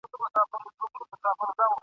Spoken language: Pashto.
ځلېدونکي د بلوړ ټوټې لوېدلي ..